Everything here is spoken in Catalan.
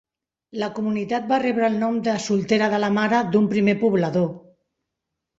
La comunitat va rebre el nom de soltera de la mare d'un primer poblador.